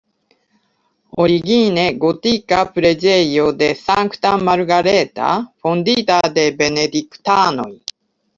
Origine gotika preĝejo de Sankta Margareta, fondita de benediktanoj.